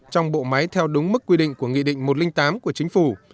trong bộ máy theo đúng mức quy định của nghị định một trăm linh tám của chính phủ